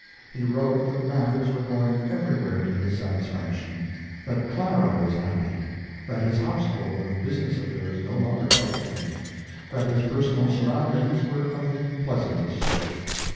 He wrote that matters were going everywhere to his satisfaction; that Clara was happy; that his household and business affairs no longer troubled him; that his personal surroundings were of the pleasantest sort.